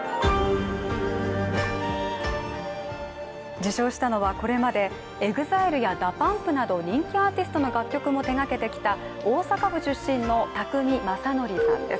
受賞したのは、これまでＥＸＩＬＥやＤＡＰＵＭＰなど人気アーティストの楽曲も手がけてきた大阪府出身の宅見将典さんです。